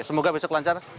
semoga besok lancar